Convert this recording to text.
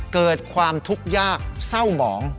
เกิดความทุกข์ยากเศร้าหมอง